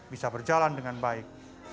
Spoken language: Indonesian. bisa berjalan dengan baik